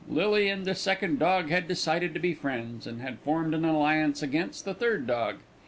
Lily and the second dog had decided to be friends, and had formed an alliance against the third dog.